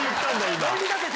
今。